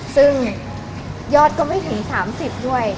ซึ่งยอดก็ไม่ถึง๓๐ด้วย